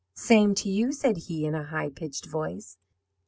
"'Same to you!' said he, in a high pitched voice.